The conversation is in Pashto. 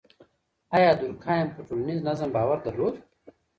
آيا دورکهايم په ټولنيز نظم باور درلود؟